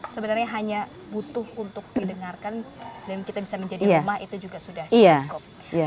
sebenarnya hanya butuh untuk didengarkan dan kita bisa menjadi rumah itu juga sudah cukup